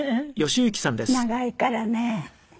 長いからね。